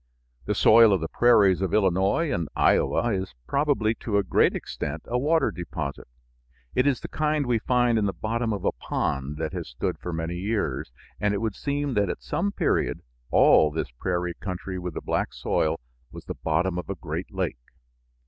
The soil of the prairies of Illinois and Iowa is probably to a great extent a water deposit. It is the kind we find in the bottom of a pond that has stood for many years, and it would seem that at some period all this prairie country with the black soil was the bottom of a great lake.